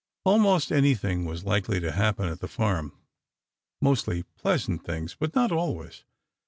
Almost anything was likely to happen at "the farm"—mostly pleasant things, but not always.